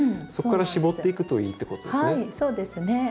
そこから絞っていくといいってことですね。